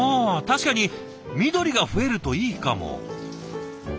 確かに緑が増えるといいかも。